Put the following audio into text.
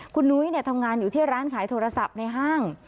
คุณนุ้ยทำงานอยู่ที่ร้านขายโทรศัพท์ในห้าง